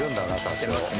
してますね。